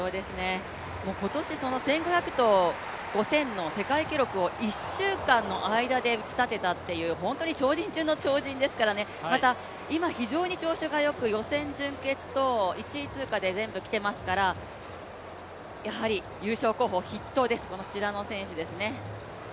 今年１５００と５０００の世界記録を１週間の間で打ちたてたという、本当に超人中の超人ですからね、また、今、非常に調子がよく予選、準決と１位通過で全部来ていますからやはり優勝候補筆頭です、こちらの選手ですね。